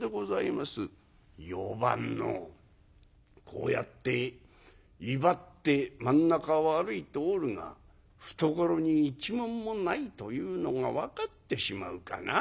こうやって威張って真ん中を歩いておるが懐に一文もないというのが分かってしまうかな。